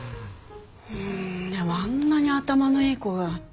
でもあんなに頭のいい子が。